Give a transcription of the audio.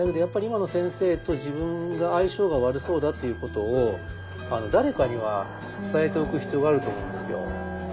やっぱり「今の先生と自分が相性が悪そうだ」っていうことを誰かには伝えておく必要があると思うんですよ。